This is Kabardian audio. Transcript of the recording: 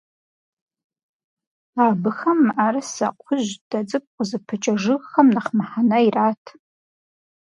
Абыхэм мыӀэрысэ, кхъужь, дэ цӀыкӀу къызыпыкӀэ жыгхэм нэхъ мыхьэнэ ират.